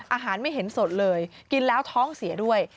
อาหารไม่เห็นสดเลยกินแล้วท้องเสียด้วย